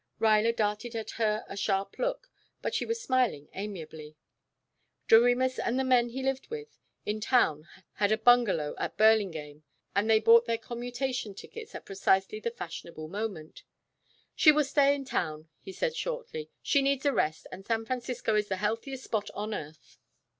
Ruyler darted at her a sharp look, but she was smiling amiably. Doremus and the men he lived with, in town had a bungalow at Burlingame and they bought their commutation tickets at precisely the fashionable moment. "She will stay in town," he said shortly. "She needs a rest, and San Francisco is the healthiest spot on earth."